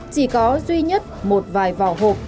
chỉ có duy nhất một vài vỏ hộp